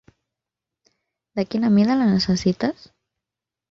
De quina mida la necessites?